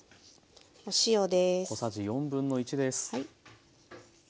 お塩です。